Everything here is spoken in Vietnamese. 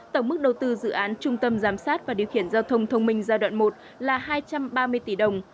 tổng mức đầu tư dự án trung tâm giám sát và điều khiển giao thông thông minh giai đoạn một là hai trăm ba mươi tỷ đồng